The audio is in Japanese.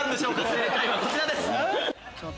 正解はこちらです。